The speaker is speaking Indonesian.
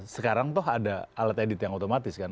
sekarang toh ada alat edit yang otomatis kan